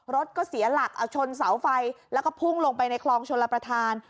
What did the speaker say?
รถก็เสียหลักเอาชนเสาไฟแล้วก็พุ่งลงไปในคลองชลประธาน